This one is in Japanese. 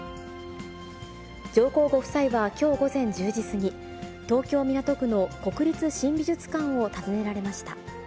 上皇ご夫妻はきょう午前１０時過ぎ、東京・港区の国立新美術館を訪ねられました。